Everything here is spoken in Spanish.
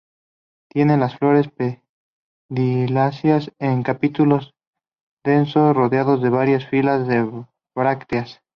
Tiene las flores pediceladas, en capítulos densos rodeados de varias filas de brácteas.